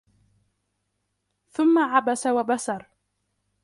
ثم عبس وبسر